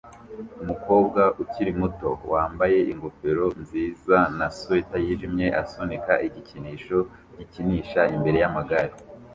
Umukobwa ukiri muto wambaye ingofero nziza na swater yijimye asunika igikinisho gikinisha imbere yamagare